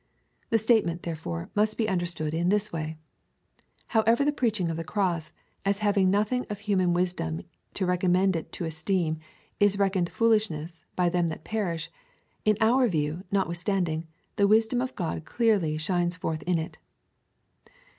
This state ment, therefore, must be understood in this way :" However the preaching of the cross, as having nothing of human wisdom to recommend it to esteem, is reckoned foolishness by them that perish; in our view, notwithstanding, the wisdom of God clearly shines forth in it."